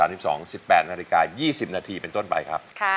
๑๘นาฬิกา๒๐นาทีเป็นต้นไปครับ